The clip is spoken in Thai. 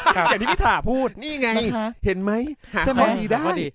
จากที่พี่ถ่าพูดนี่ไงเห็นไหมหาข้อดีได้